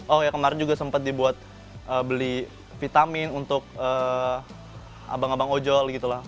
oh ya kemarin juga sempat dibuat beli vitamin untuk abang abang ojol gitu lah